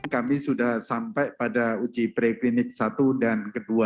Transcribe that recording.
kami sudah sampai pada uji preklinis satu dan dua